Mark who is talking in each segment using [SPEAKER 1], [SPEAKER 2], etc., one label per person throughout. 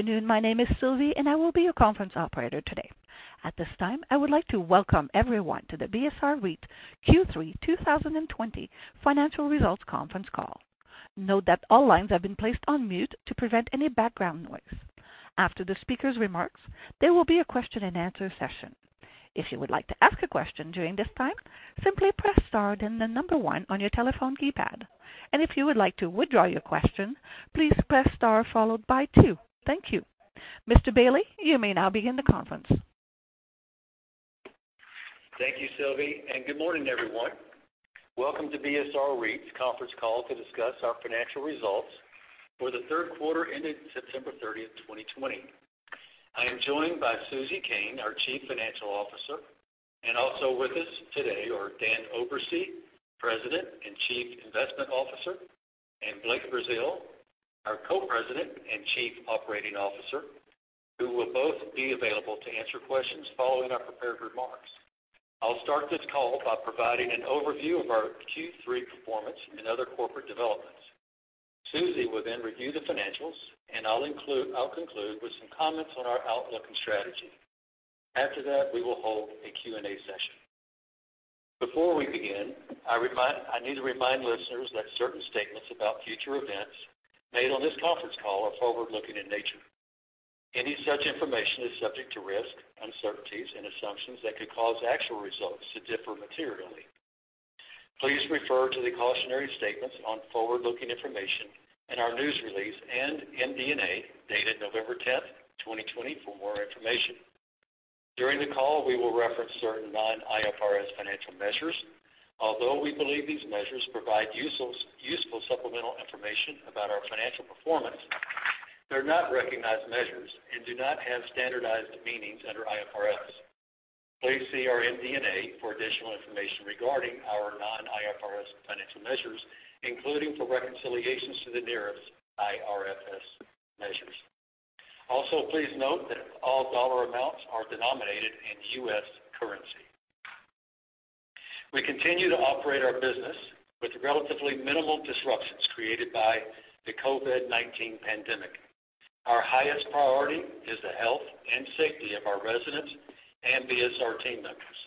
[SPEAKER 1] Good afternoon. My name is Sylvie, I will be your conference operator today. At this time, I would like to welcome everyone to the BSR REIT Q3 2020 financial results conference call. Note that all lines have been placed on mute to prevent any background noise. After the speaker's remarks, there will be a question and answer session. If you would like to ask a question during this time, simply press star, then one on your telephone keypad. If you would like to withdraw your question, please press star followed by two. Thank you. Mr. Bailey, you may now begin the conference.
[SPEAKER 2] Thank you, Sylvie. Good morning, everyone. Welcome to BSR REIT's conference call to discuss our financial results for the third quarter ended September 30, 2020. I am joined by Susie Koehn, our Chief Financial Officer, and also with us today are Dan Oberste, President and Chief Investment Officer, and Blake Brazeal, our Co-President and Chief Operating Officer, who will both be available to answer questions following our prepared remarks. I'll start this call by providing an overview of our Q3 performance and other corporate developments. Susie will then review the financials, and I'll conclude with some comments on our outlook and strategy. After that, we will hold a Q&A session. Before we begin, I need to remind listeners that certain statements about future events made on this conference call are forward-looking in nature. Any such information is subject to risks, uncertainties, and assumptions that could cause actual results to differ materially. Please refer to the cautionary statements on forward-looking information in our news release and MD&A dated November 10, 2020 for more information. During the call, we will reference certain non-IFRS financial measures. Although we believe these measures provide useful supplemental information about our financial performance, they're not recognized measures and do not have standardized meanings under IFRS. Please see our MD&A for additional information regarding our non-IFRS financial measures, including for reconciliations to the nearest IFRS measures. Also, please note that all dollar amounts are denominated in U.S. currency. We continue to operate our business with relatively minimal disruptions created by the COVID-19 pandemic. Our highest priority is the health and safety of our residents and BSR team members.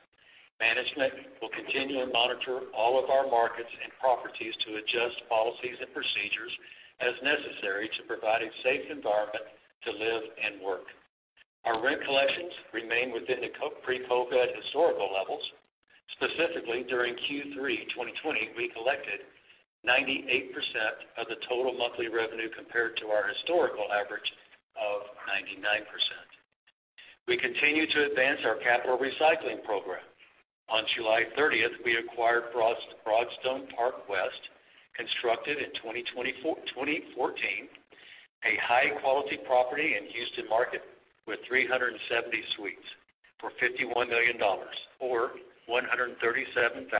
[SPEAKER 2] Management will continue to monitor all of our markets and properties to adjust policies and procedures as necessary to provide a safe environment to live and work. Our rent collections remain within the pre-COVID-19 historical levels. Specifically, during Q3 2020, we collected 98% of the total monthly revenue compared to our historical average of 99%. We continue to advance our capital recycling program. On July 30th, we acquired Broadstone Park West, constructed in 2014, a high-quality property in Houston market with 370 suites for $51 million, or $137,838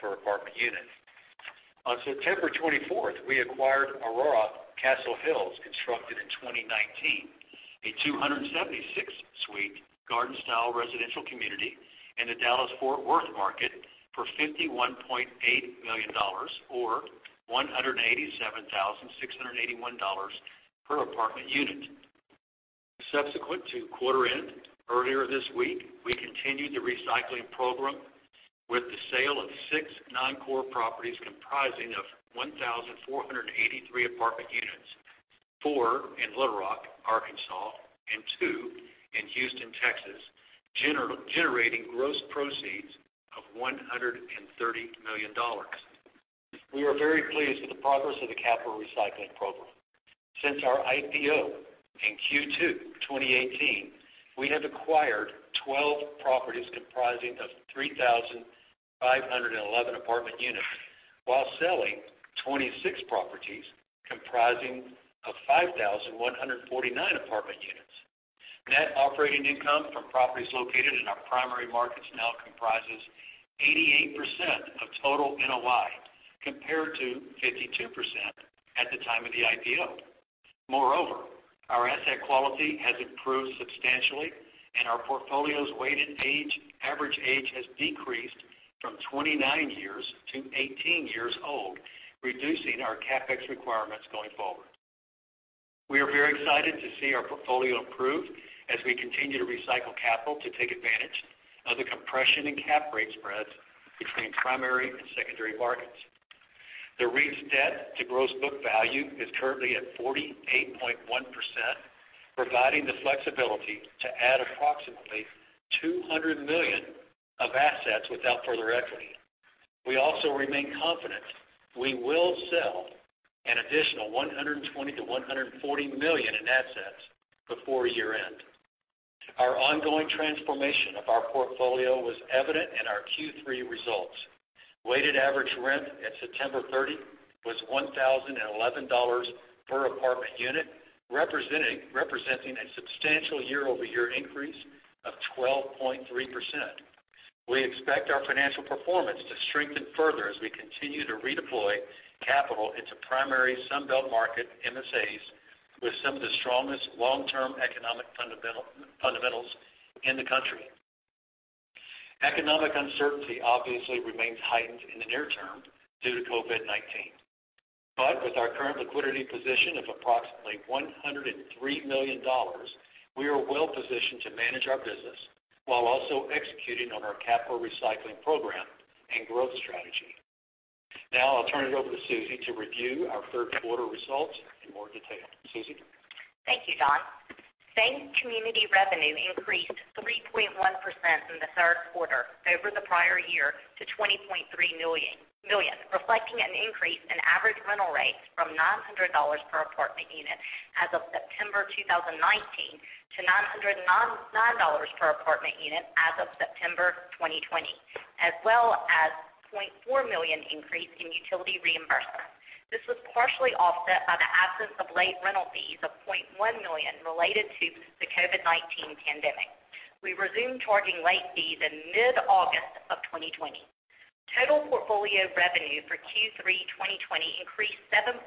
[SPEAKER 2] per apartment unit. On September 24th, we acquired Aura Castle Hills, constructed in 2019, a 276-suite garden-style residential community in the Dallas-Fort Worth market for $51.8 million, or $187,681 per apartment unit. Subsequent to quarter end, earlier this week, we continued the recycling program with the sale of six non-core properties comprising of 1,483 apartment units. 4 in Little Rock, Arkansas, and 2 in Houston, Texas, generating gross proceeds of $130 million. We are very pleased with the progress of the capital recycling program. Since our IPO in Q2 2018, we have acquired 12 properties comprising of 3,511 apartment units while selling 26 properties comprising of 5,149 apartment units. Net operating income from properties located in our primary markets now comprises 88% of total NOI, compared to 52% at the time of the IPO. Moreover, our asset quality has improved substantially, and our portfolio's weighted average age has decreased from 29 years to 18 years old, reducing our CapEx requirements going forward. We are very excited to see our portfolio improve as we continue to recycle capital to take advantage of the compression in cap rate spreads between primary and secondary markets. The REIT's debt to gross book value is currently at 48.1%, providing the flexibility to add approximately $200 million of assets without further equity. We also remain confident we will sell an additional $120 million-$140 million in assets before year-end. Our ongoing transformation of our portfolio was evident in our Q3 results. Weighted average rent at September 30 was $1,011 per apartment unit, representing a substantial year-over-year increase of 12.3%. We expect our financial performance to strengthen further as we continue to redeploy capital into primary Sun Belt market MSAs with some of the strongest long-term economic fundamentals in the country. Economic uncertainty obviously remains heightened in the near term due to COVID-19. With our current liquidity position of approximately $103 million, we are well positioned to manage our business while also executing on our capital recycling program and growth strategy. Now I'll turn it over to Susie to review our third quarter results in more detail. Susie?
[SPEAKER 3] Thank you, John. Same community revenue increased 3.1% in the third quarter over the prior year to $20.3 million, reflecting an increase in average rental rates from $900 per apartment unit as of September 2019 to $999 per apartment unit as of September 2020, as well as a $0.4 million increase in utility reimbursement. This was partially offset by the absence of late rental fees of $0.1 million related to the COVID-19 pandemic. We resumed charging late fees in mid-August of 2020. Total portfolio revenue for Q3 2020 increased 7.2%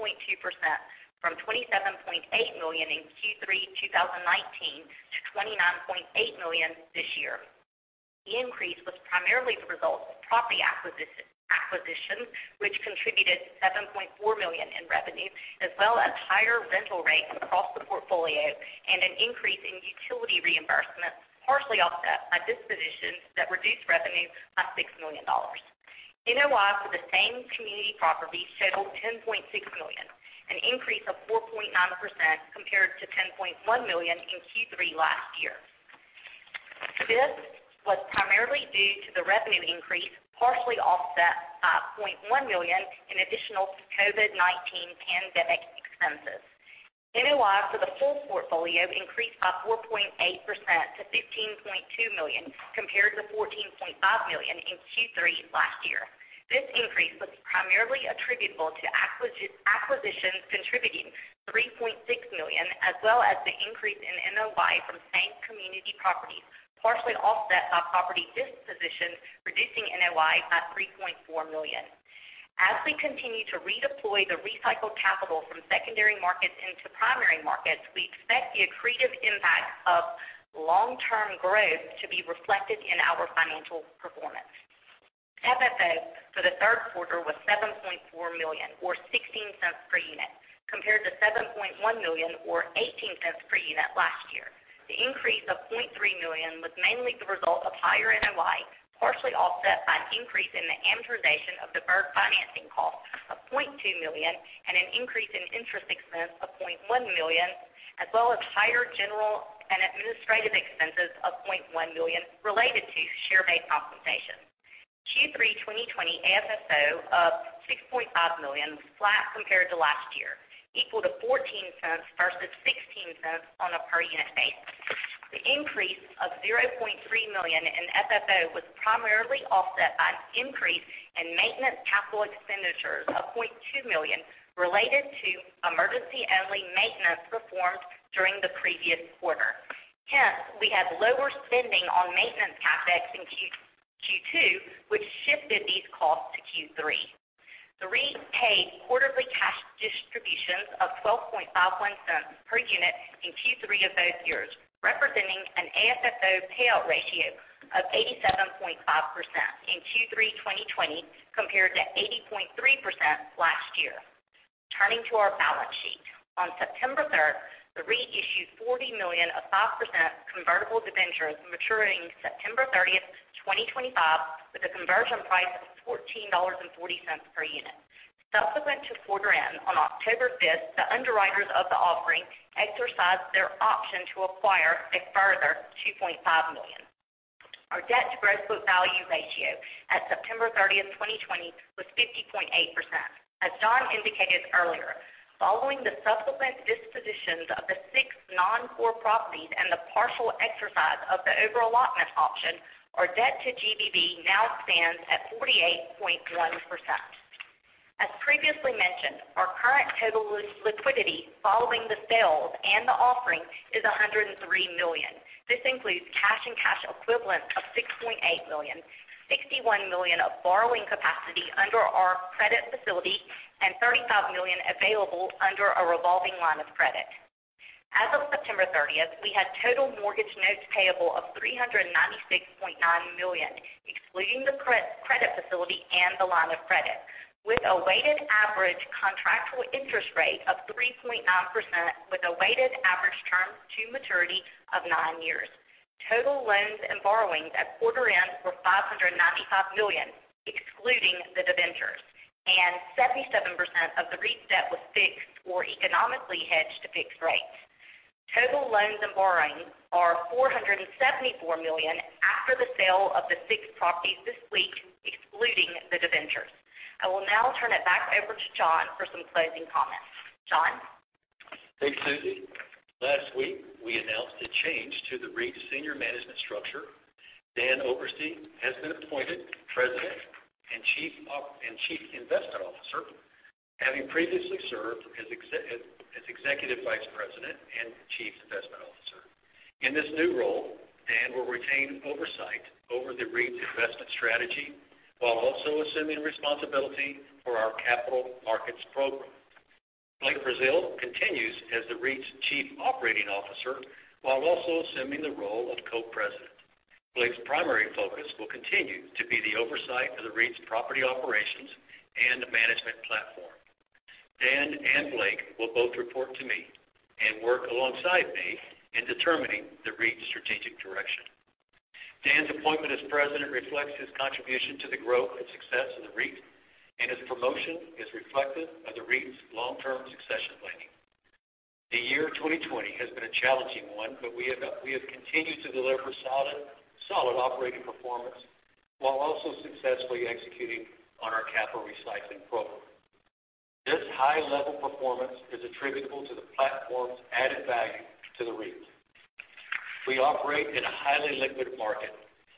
[SPEAKER 3] from $27.8 million in Q3 2019 to $29.8 million this year. The increase was primarily the result of property acquisitions, which contributed $7.4 million in revenue, as well as higher rental rates across the portfolio and an increase in utility reimbursement, partially offset by dispositions that reduced revenue by $6 million. NOI for the same community properties totaled $10.6 million, an increase of 4.9% compared to $10.1 million in Q3 last year. This was primarily due to the revenue increase, partially offset by $0.1 million in additional COVID-19 pandemic expenses. NOI for the full portfolio increased by 4.8% to $15.2 million, compared to $14.5 million in Q3 last year. This increase was primarily attributable to acquisitions contributing $3.6 million, as well as the increase in NOI from same community properties, partially offset by property dispositions, reducing NOI by $3.4 million. As we continue to redeploy the recycled capital from secondary markets into primary markets, we expect the accretive impact of long-term growth to be reflected in our financial performance. FFO for the third quarter was $7.4 million, or $0.16 per unit, compared to $7.1 million or $0.18 per unit last year. The increase of $0.3 million was mainly the result of higher NOI, partially offset by an increase in the amortization of deferred financing costs of $0.2 million and an increase in interest expense of $0.1 million, as well as higher general and administrative expenses of $0.1 million related to share-based compensation. Q3 2020 AFFO of $6.5 million was flat compared to last year, equal to $0.14 versus $0.16 on a per-unit basis. The increase of $0.3 million in FFO was primarily offset by an increase in maintenance capital expenditures of $0.2 million related to emergency-only maintenance performed during the previous quarter. Hence, we had lower spending on maintenance CapEx in Q2, which shifted these costs to Q3. The REIT paid quarterly cash distributions of $0.125 per unit in Q3 of both years, representing an AFFO payout ratio of 87.5% in Q3 2020 compared to 80.3% last year. Turning to our balance sheet. On September 3, the REIT issued $40 million of 5% convertible debentures maturing September 30, 2025, with a conversion price of $14.40 per unit. Subsequent to quarter end, on October 5, the underwriters of the offering exercised their option to acquire a further $2.5 million. Our debt-to-gross book value ratio at September 30, 2020, was 50.8%. As John indicated earlier, following the subsequent dispositions of the six non-core properties and the partial exercise of the overallotment option, our debt to GBV now stands at 48.1%. As previously mentioned, our current total liquidity following the sales and the offering is $103 million. This includes cash and cash equivalents of $6.8 million, $61 million of borrowing capacity under our credit facility, and $35 million available under a revolving line of credit. As of September 30th, we had total mortgage notes payable of $396.9 million, excluding the credit facility and the line of credit, with a weighted average contractual interest rate of 3.9% with a weighted average term to maturity of nine years. Total loans and borrowings at quarter end were $595 million, excluding the debentures, and 77% of the REIT debt was fixed or economically hedged to fixed rates. Total loans and borrowings are $474 million after the sale of the six properties this week, excluding the debentures. I will now turn it back over to John for some closing comments. John?
[SPEAKER 2] Thanks, Susie. Last week, we announced a change to the REIT's senior management structure. Dan Oberste has been appointed President and Chief Investment Officer, having previously served as Executive Vice President and Chief Investment Officer. In this new role, Dan will retain oversight over the REIT's investment strategy while also assuming responsibility for our capital markets program. Blake Brazeal continues as the REIT's Chief Operating Officer while also assuming the role of Co-President. Blake's primary focus will continue to be the oversight of the REIT's property operations and the management platform. Dan and Blake will both report to me and work alongside me in determining the REIT's strategic direction. Dan's appointment as President reflects his contribution to the growth and success of the REIT, and his promotion is reflective of the REIT's long-term succession planning. The year 2020 has been a challenging one, but we have continued to deliver solid operating performance while also successfully executing on our capital recycling program. This high-level performance is attributable to the platform's added value to the REIT. We operate in a highly liquid market,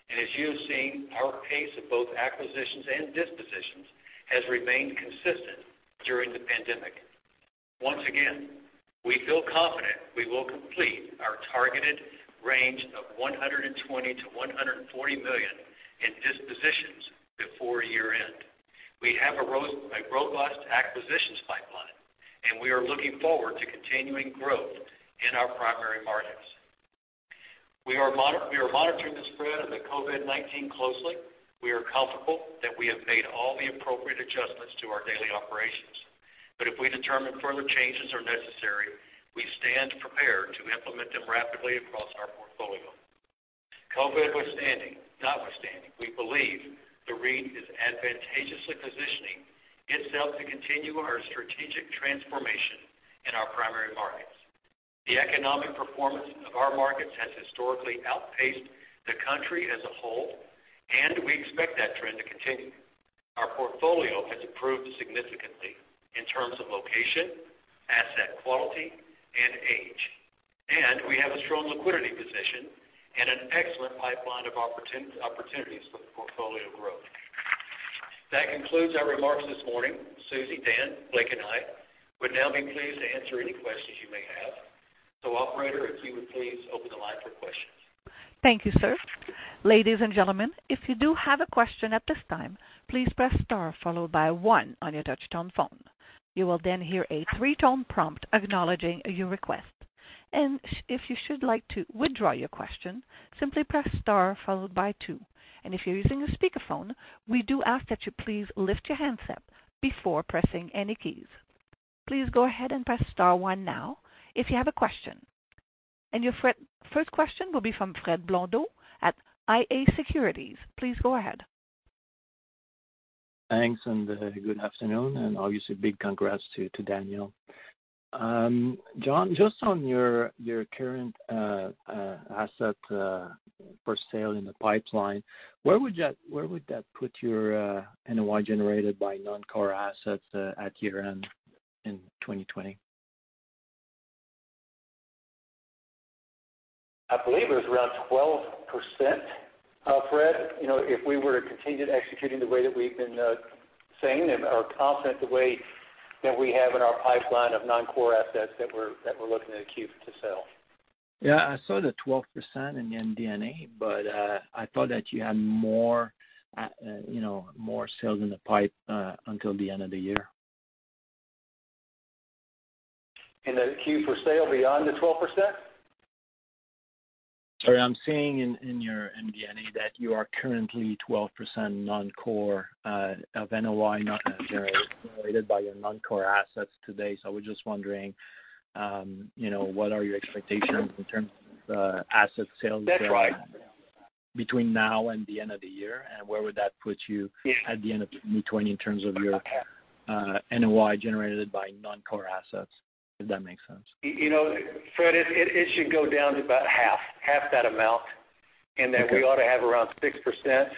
[SPEAKER 2] and as you have seen, our pace of both acquisitions and dispositions has remained consistent during the pandemic. Once again, we feel confident we will complete our targeted range of $120 million-$140 million in dispositions before year-end. We have a robust acquisitions pipeline, and we are looking forward to continuing growth in our primary markets. We are monitoring the spread of the COVID-19 closely. We are comfortable that we have made all the appropriate adjustments to our daily operations. If we determine further changes are necessary, we stand prepared to implement them rapidly across our portfolio. COVID notwithstanding, we believe the REIT is advantageously positioning itself to continue our strategic transformation in our primary markets. The economic performance of our markets has historically outpaced the country as a whole, and we expect that trend to continue. Our portfolio has improved significantly in terms of location, asset quality, and age, and we have a strong liquidity position and an excellent pipeline of opportunities for the portfolio growth. That concludes our remarks this morning. Susie, Dan, Blake, and I would now be pleased to answer any questions you may have. Operator, if you would please open the line for questions.
[SPEAKER 1] Thank you, sir. Ladies and gentlemen, if you do have a question at this time, please press star followed by one on your touch tone phone. You will then hear a three-tone prompt acknowledging your request. If you should like to withdraw your question, simply press star followed by two. If you're using a speakerphone, we do ask that you please lift your handset before pressing any keys. Please go ahead and press star one now if you have a question. Your first question will be from Fred Blondeau at iA Securities. Please go ahead.
[SPEAKER 4] Thanks. Good afternoon. Obviously big congrats to Daniel. John, just on your current asset for sale in the pipeline, where would that put your NOI generated by non-core assets at year-end in 2020?
[SPEAKER 2] I believe it was around 12%, Fred. If we were to continue executing the way that we've been saying and are confident the way that we have in our pipeline of non-core assets that we're looking to queue to sell.
[SPEAKER 4] Yeah, I saw the 12% in the MD&A, but I thought that you had more sales in the pipe until the end of the year.
[SPEAKER 2] In the queue for sale beyond the 12%?
[SPEAKER 4] Sorry, I'm seeing in your MD&A that you are currently 12% non-core of NOI generated by your non-core assets today. I was just wondering what are your expectations in terms of asset sales?
[SPEAKER 2] That's right.
[SPEAKER 4] between now and the end of the year, and where would that put you at the end of 2020 in terms of your NOI generated by non-core assets? If that makes sense?
[SPEAKER 2] Fred, it should go down to about half that amount.
[SPEAKER 4] Okay.
[SPEAKER 2] We ought to have around 6%-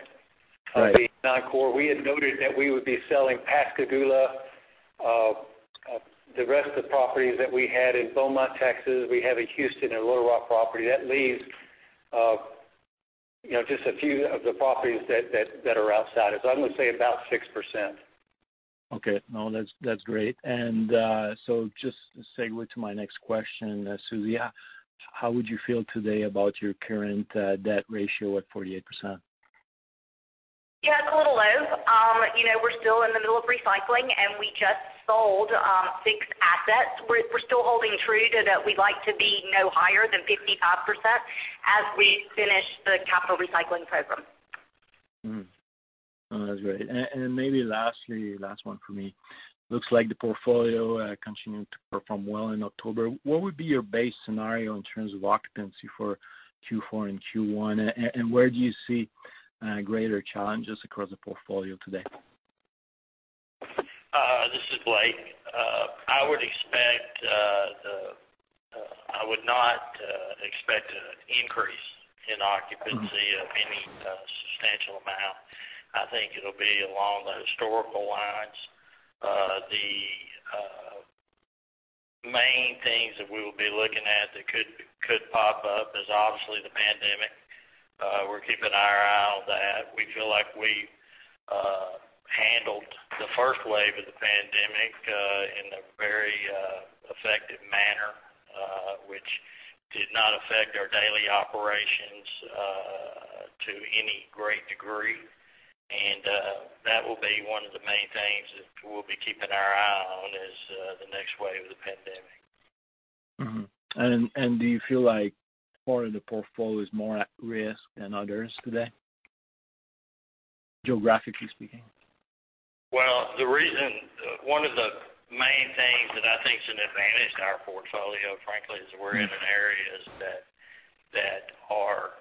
[SPEAKER 4] Right
[SPEAKER 2] of the non-core. We had noted that we would be selling Pascagoula, the rest of the properties that we had in Beaumont, Texas. We have a Houston and Little Rock property. That leaves just a few of the properties that are outside. I'm going to say about 6%.
[SPEAKER 4] Okay. No, that's great. Just to segue to my next question, Susie, how would you feel today about your current debt ratio at 48%?
[SPEAKER 3] Yeah, it's a little low. We're still in the middle of recycling, and we just sold six assets. We're still holding true to that we'd like to be no higher than 55% as we finish the capital recycling program.
[SPEAKER 4] That's great. Maybe lastly, last one from me. Looks like the portfolio continued to perform well in October. What would be your base scenario in terms of occupancy for Q4 and Q1, and where do you see greater challenges across the portfolio today?
[SPEAKER 5] This is Blake. I would not expect an increase in occupancy of any substantial amount. I think it'll be along the historical lines. The main things that we will be looking at that could pop up is obviously the pandemic. We're keeping our eye on that. We feel like we handled the first wave of the pandemic in a very effective. It did not affect our daily operations to any great degree. That will be one of the main things that we'll be keeping our eye on as the next wave of the pandemic.
[SPEAKER 4] Mm-hmm. Do you feel like part of the portfolio is more at risk than others today, geographically speaking?
[SPEAKER 5] One of the main things that I think is an advantage to our portfolio, frankly, is we're in an areas that are,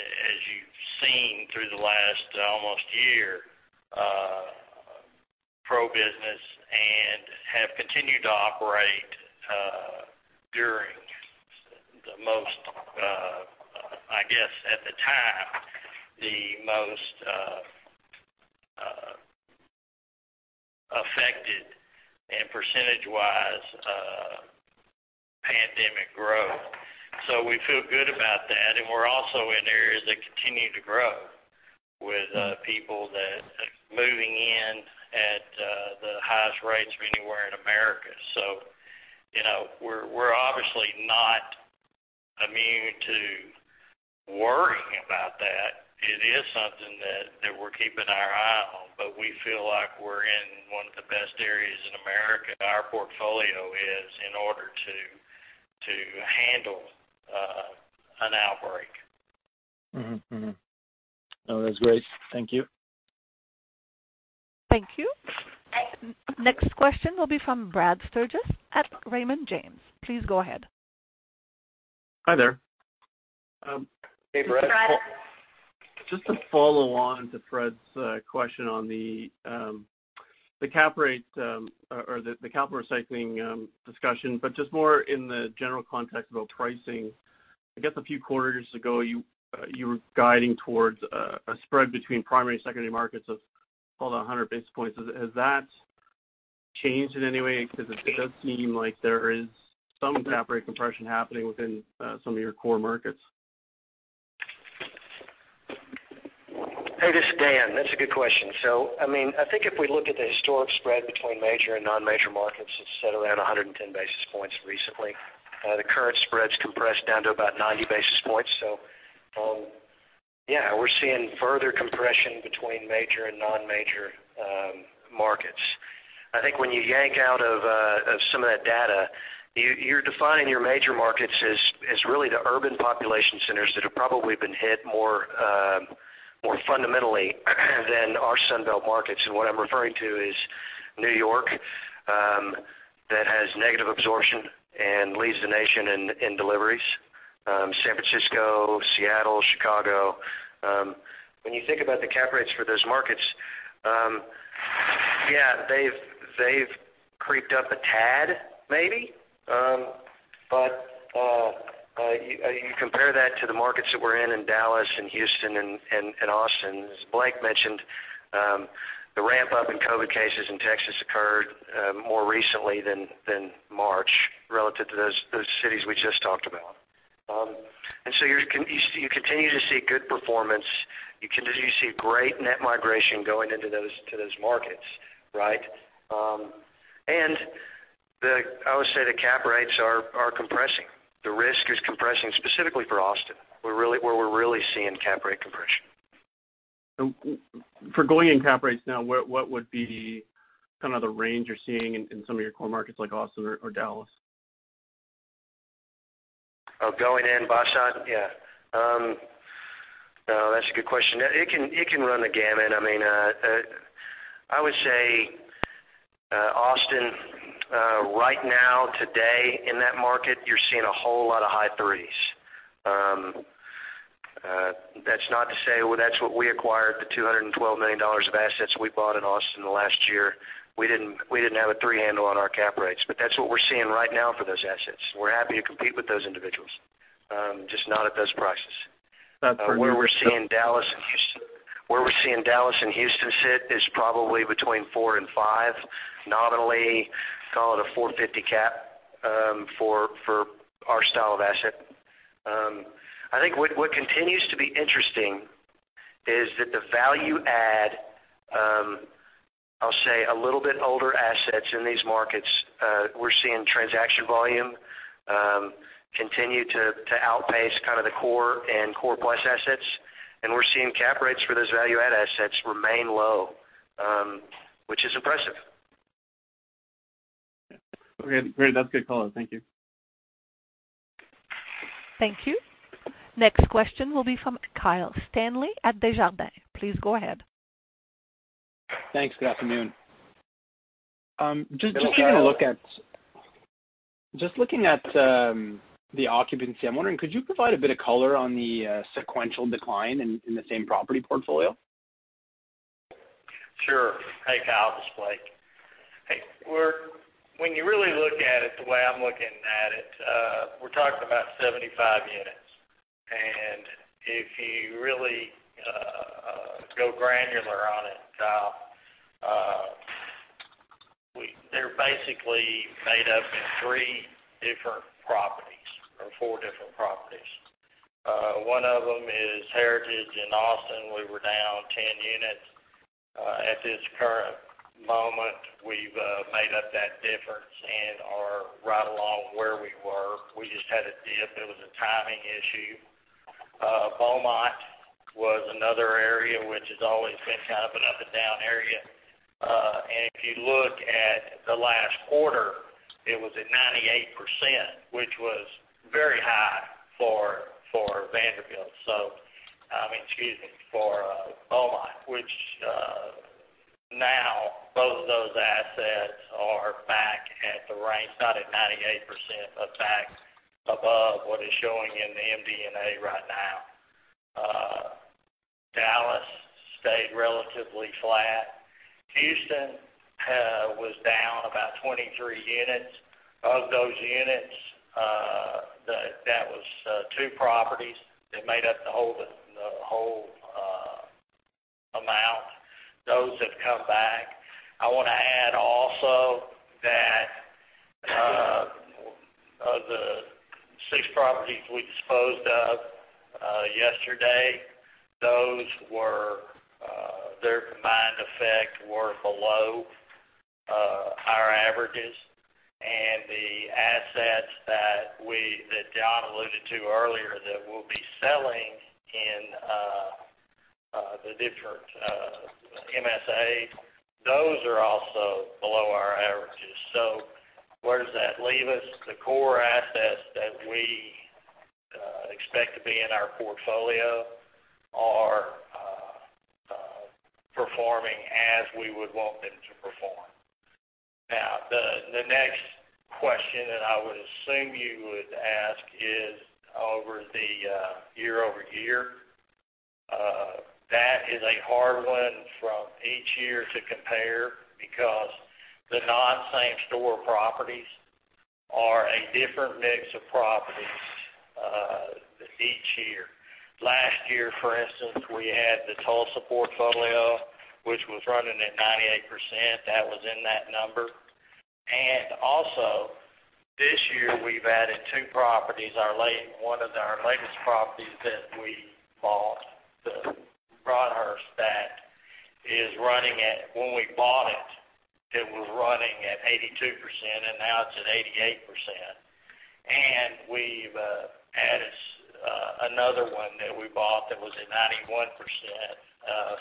[SPEAKER 5] as you've seen through the last almost year, pro-business and have continued to operate during the most, I guess, at the time, the most affected and percentage-wise pandemic growth. We feel good about that, and we're also in areas that continue to grow with people that are moving in at the highest rates of anywhere in America. We're obviously not immune to worrying about that. It is something that we're keeping our eye on, but we feel like we're in one of the best areas in America, our portfolio is, in order to handle an outbreak.
[SPEAKER 4] Mm-hmm. No, that's great. Thank you.
[SPEAKER 1] Thank you. Next question will be from Brad Sturges at Raymond James. Please go ahead.
[SPEAKER 6] Hi there.
[SPEAKER 5] Hey, Brad.
[SPEAKER 1] Hey, Brad.
[SPEAKER 6] Just to follow on to Fred's question on the cap rates or the capital recycling discussion, just more in the general context about pricing. I guess a few quarters ago, you were guiding towards a spread between primary, secondary markets of call it 100 basis points. Has that changed in any way? It does seem like there is some cap rate compression happening within some of your core markets.
[SPEAKER 7] Hey, this is Dan. That's a good question. I think if we look at the historic spread between major and non-major markets, it's sat around 110 basis points recently. The current spread's compressed down to about 90 basis points. Yeah, we're seeing further compression between major and non-major markets. I think when you yank out of some of that data, you're defining your major markets as really the urban population centers that have probably been hit more fundamentally than our Sun Belt markets. What I'm referring to is New York, that has negative absorption and leads the nation in deliveries. San Francisco, Seattle, Chicago. When you think about the cap rates for those markets, yeah, they've creeped up a tad maybe. You compare that to the markets that we're in Dallas and Houston and Austin. As Blake mentioned, the ramp up in COVID-19 cases in Texas occurred more recently than March relative to those cities we just talked about. You continue to see good performance. You continue to see great net migration going into those markets, right. I would say the cap rates are compressing. The risk is compressing specifically for Austin, where we're really seeing cap rate compression.
[SPEAKER 6] Going in cap rates now, what would be kind of the range you're seeing in some of your core markets like Austin or Dallas?
[SPEAKER 7] Oh, going in, Yashan? Yeah. That's a good question. It can run the gamut. I would say Austin, right now, today, in that market, you're seeing a whole lot of high threes. That's not to say, well, that's what we acquired, the $212 million of assets we bought in Austin in the last year. We didn't have a three handle on our cap rates, but that's what we're seeing right now for those assets. We're happy to compete with those individuals, just not at those prices.
[SPEAKER 6] For you-
[SPEAKER 7] Where we're seeing Dallas and Houston sit is probably between four and five, nominally call it a 450 cap, for our style of asset. I think what continues to be interesting is that the value add, I'll say a little bit older assets in these markets, we're seeing transaction volume continue to outpace kind of the core and core plus assets. We're seeing cap rates for those value add assets remain low, which is impressive.
[SPEAKER 6] Yeah. Great. That's a good call out. Thank you.
[SPEAKER 1] Thank you. Next question will be from Kyle Stanley at Desjardins. Please go ahead.
[SPEAKER 8] Thanks. Good afternoon.
[SPEAKER 5] Hello, Kyle.
[SPEAKER 8] Looking at the occupancy, I'm wondering, could you provide a bit of color on the sequential decline in the same property portfolio?
[SPEAKER 5] Sure. Kyle, this is Blake. When you really look at it the way I'm looking at it, we're talking about 75 units. If you really go granular on it, Kyle, they're basically made up in three different properties or four different properties. One of them is Heritage in Austin. We were down 10 units. At this current moment, we've made up that difference and are right along where we were. We just had a dip. It was a timing issue. Beaumont was another area which has always been kind of an up and down area. If you look at the last quarter, it was at 98%, which was very high for Vanderbilt. Excuse me, for Beaumont, which now both of those assets are back at the right, not at 98%, but back above what is showing in the MD&A right now. Dallas stayed relatively flat. Houston was down about 23 units. Of those units, that was two properties that made up the whole amount. Those have come back. I want to add also that of the six properties we disposed of yesterday, their combined effect were below our averages. The assets that John alluded to earlier that we'll be selling in the different MSAs, those are also below our averages. Where does that leave us? The core assets that we expect to be in our portfolio are performing as we would want them to perform. Now, the next question that I would assume you would ask is over the year-over-year. That is a hard one from each year to compare because the non-same store properties are a different mix of properties each year. Last year, for instance, we had the Tulsa portfolio, which was running at 98%. That was in that number. Also this year, we've added two properties. One of our latest properties that we bought, the Broadstone, when we bought it was running at 82%, and now it's at 88%. We've added another one that we bought that was at 91%,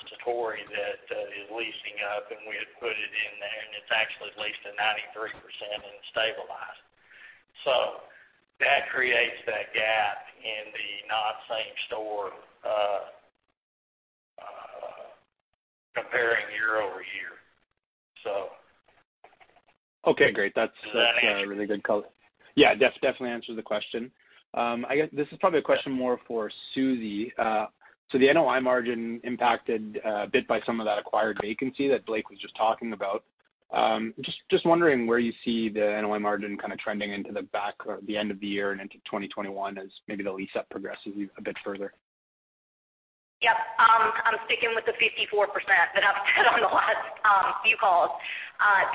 [SPEAKER 5] Satori, that is leasing up, and we had put it in there, and it's actually leased at 93% and stabilized. That creates that gap in the not same store comparing year-over-year.
[SPEAKER 8] Okay, great.
[SPEAKER 5] Does that answer?
[SPEAKER 8] That's a really good color. Yeah, definitely answers the question. I guess this is probably a question more for Susie. The NOI margin impacted a bit by some of that acquired vacancy that Blake was just talking about. Just wondering where you see the NOI margin kind of trending into the back or the end of the year and into 2021 as maybe the lease up progresses a bit further.
[SPEAKER 3] Yep. I'm sticking with the 54% that I've said on the last few calls.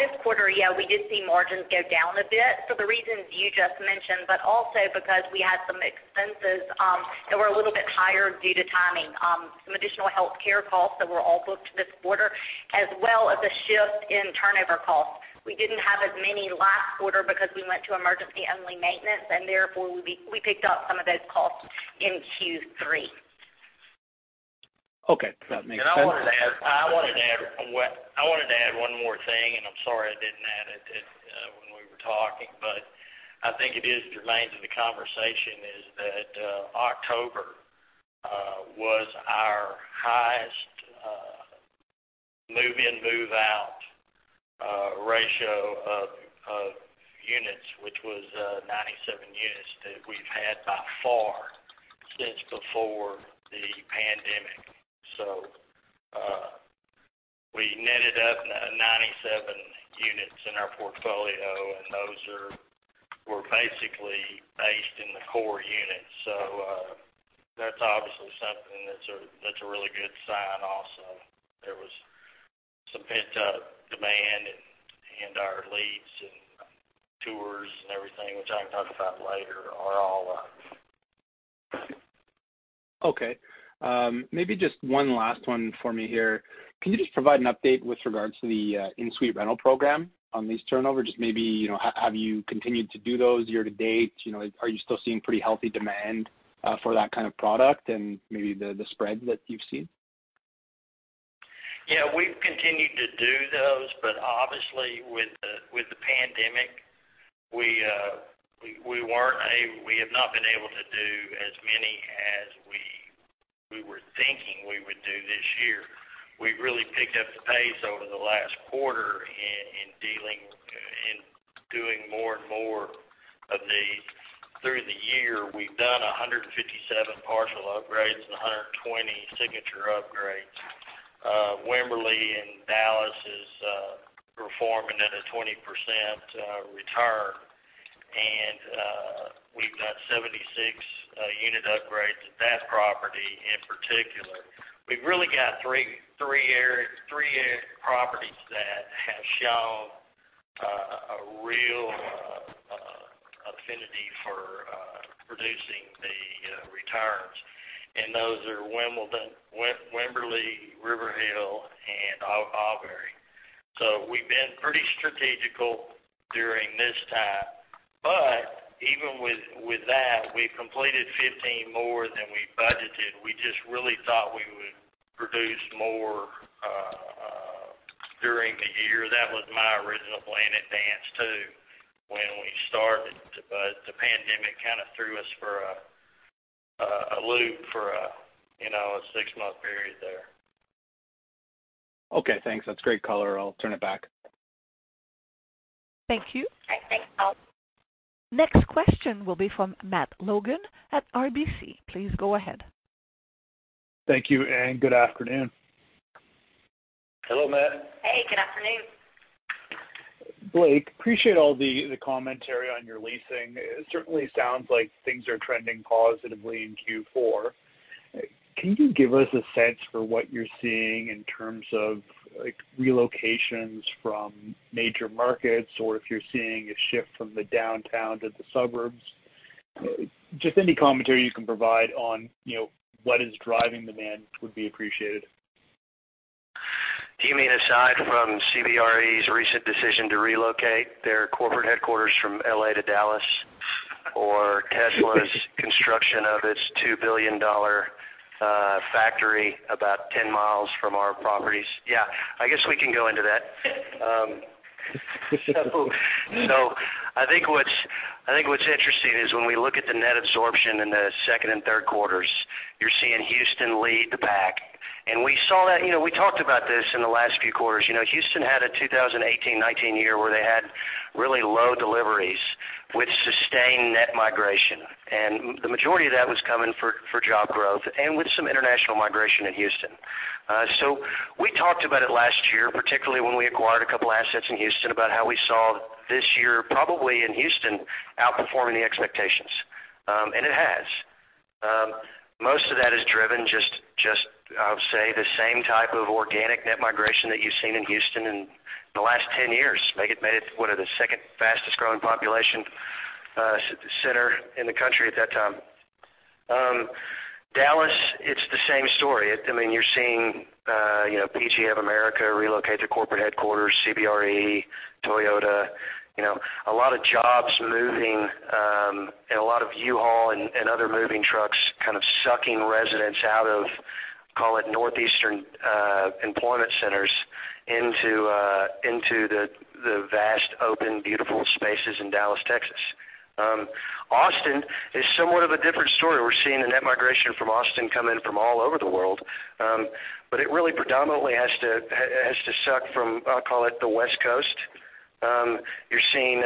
[SPEAKER 3] This quarter, yeah, we did see margins go down a bit for the reasons you just mentioned, but also because we had some expenses that were a little bit higher due to timing. Some additional healthcare costs that were all booked this quarter, as well as a shift in turnover costs. We didn't have as many last quarter because we went to emergency-only maintenance, and therefore, we picked up some of those costs in Q3.
[SPEAKER 8] Okay. That makes sense.
[SPEAKER 5] I wanted to add one more thing, and I'm sorry I didn't add it when we were talking, but I think it remains in the conversation is that October was our highest move in, move out ratio of units, which was 97 units that we've had by far since before the pandemic. We netted up 97 units in our portfolio, and those were basically based in the core units. That's obviously something that's a really good sign also. There was some pent-up demand in our leads and tours and everything, which I can talk about later, are all up.
[SPEAKER 8] Okay. Maybe just one last one for me here. Can you just provide an update with regards to the in-suite rental program on these turnovers? Just maybe, have you continued to do those year to date? Are you still seeing pretty healthy demand for that kind of product and maybe the spread that you've seen?
[SPEAKER 5] Yeah, we've continued to do those, but obviously with the pandemic, we have not been able to do as many as we were thinking we would do this year. We've really picked up the pace over the last quarter in doing more and more of these. Through the year, we've done 157 partial upgrades and 120 signature upgrades. Wimberley in Dallas is performing at a 20% return, and we've got 76 unit upgrades at that property in particular. We've really got three areas, three properties that have shown a real. for reducing the returns, and those are Wimberley, River Hill, and Aubrey. We've been pretty strategical during this time. Even with that, we've completed 15 more than we budgeted. We just really thought we would produce more during the year. That was my original plan advance, too, when we started, but the pandemic kind of threw us for a loop for a six-month period there.
[SPEAKER 8] Okay, thanks. That's great color. I'll turn it back.
[SPEAKER 1] Thank you. Next question will be from Matt Logan at RBC. Please go ahead.
[SPEAKER 9] Thank you, and good afternoon.
[SPEAKER 7] Hello, Matt.
[SPEAKER 3] Hey, good afternoon.
[SPEAKER 9] Blake, appreciate all the commentary on your leasing. It certainly sounds like things are trending positively in Q4. Can you give us a sense for what you're seeing in terms of relocations from major markets, or if you're seeing a shift from the downtown to the suburbs? Just any commentary you can provide on what is driving demand would be appreciated.
[SPEAKER 7] Do you mean aside from CBRE's recent decision to relocate their corporate headquarters from L.A. to Dallas, or Tesla's construction of its $2 billion factory about 10 miles from our properties? I guess we can go into that. I think what's interesting is when we look at the net absorption in the second and third quarters, you're seeing Houston lead the pack. We talked about this in the last few quarters. Houston had a 2018-19 year where they had really low deliveries, which sustained net migration. The majority of that was coming for job growth and with some international migration in Houston. We talked about it last year, particularly when we acquired a couple assets in Houston, about how we saw this year, probably in Houston, outperforming the expectations. It has. Most of that is driven, just I'll say the same type of organic net migration that you've seen in Houston in the last 10 years. Made it one of the second fastest-growing population center in the country at that time. Dallas, it's the same story. You're seeing PGA of America relocate their corporate headquarters, CBRE, Toyota. A lot of jobs moving, a lot of U-Haul and other moving trucks kind of sucking residents out of, call it northeastern employment centers, into the vast, open, beautiful spaces in Dallas, Texas. Austin is somewhat of a different story. It really predominantly has to suck from, I'll call it the West Coast. You're seeing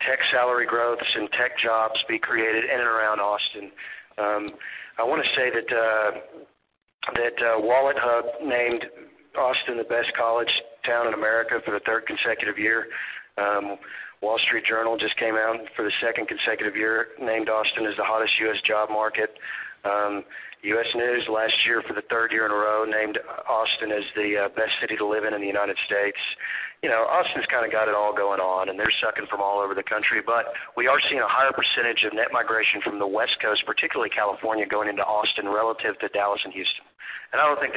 [SPEAKER 7] tech salary growths and tech jobs be created in and around Austin. I want to say that WalletHub named Austin the best college town in America for the third consecutive year. Wall Street Journal just came out, and for the second consecutive year, named Austin as the hottest U.S. job market. U.S. News last year, for the third year in a row, named Austin as the best city to live in the United States. Austin's kind of got it all going on, and they're sucking from all over the country. We are seeing a higher percentage of net migration from the West Coast, particularly California, going into Austin relative to Dallas and Houston. I don't think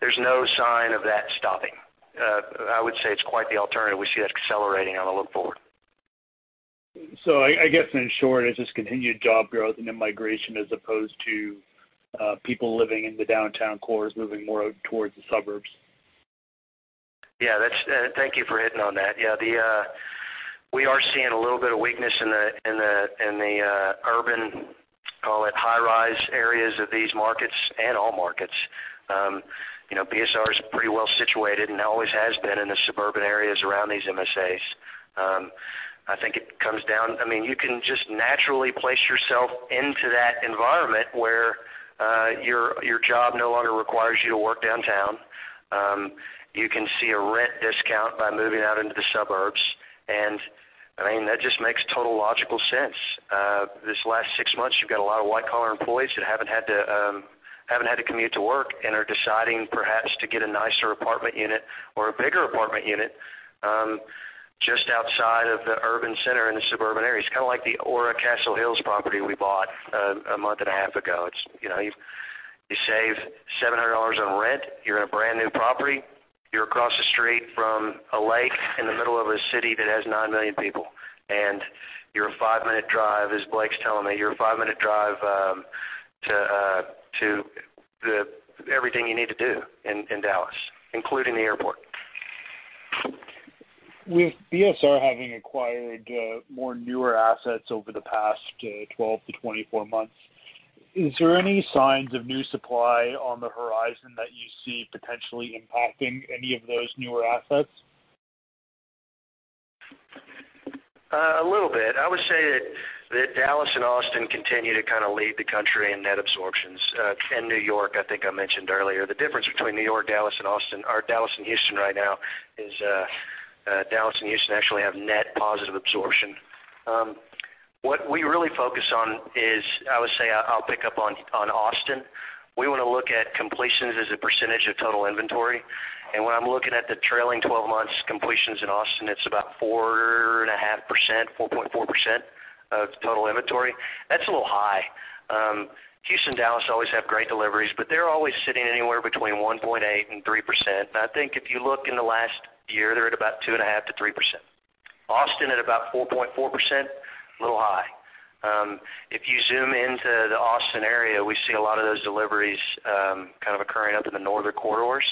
[SPEAKER 7] there's no sign of that stopping. I would say it's quite the alternative. We see that accelerating on the look forward.
[SPEAKER 9] I guess in short, it's just continued job growth and then migration as opposed to people living in the downtown cores moving more towards the suburbs.
[SPEAKER 7] Yeah. Thank you for hitting on that. Yeah, we are seeing a little bit of weakness in the urban, call it high-rise areas of these markets and all markets. BSR is pretty well situated and always has been in the suburban areas around these MSAs. I think it comes down You can just naturally place yourself into that environment where your job no longer requires you to work downtown. You can see a rent discount by moving out into the suburbs, and that just makes total logical sense. This last six months, you've got a lot of white-collar employees that haven't had to commute to work and are deciding perhaps to get a nicer apartment unit or a bigger apartment unit just outside of the urban center in the suburban areas. Kind of like the Aura Castle Hills property we bought a month and a half ago. You save $700 on rent, you're in a brand-new property, you're across the street from a lake in the middle of a city that has nine million people, you're a five-minute drive, as Blake's telling me, you're a five-minute drive to everything you need to do in Dallas, including the airport.
[SPEAKER 9] With BSR having acquired more newer assets over the past 12 to 24 months, is there any signs of new supply on the horizon that you see potentially impacting any of those newer assets?
[SPEAKER 7] A little bit. I would say that Dallas and Austin continue to kind of lead the country in net absorptions. New York, I think I mentioned earlier. The difference between New York, Dallas, and Austin, or Dallas and Houston right now is Dallas and Houston actually have net positive absorption. What we really focus on is, I would say, I'll pick up on Austin. We want to look at completions as a percentage of total inventory. When I'm looking at the trailing 12 months completions in Austin, it's about 4.5%, 4.4% of total inventory. That's a little high. Houston, Dallas always have great deliveries, but they're always sitting anywhere between 1.8% and 3%. I think if you look in the last year, they're at about 2.5% to 3%. Austin at about 4.4%, a little high. If you zoom into the Austin area, we see a lot of those deliveries occurring up in the northern corridors.